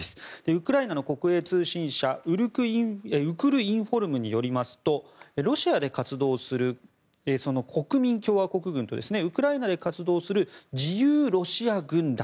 ウクライナの国営通信社ウクルインフォルムによりますとロシアで活動する国民共和国軍とウクライナで活動する自由ロシア軍団。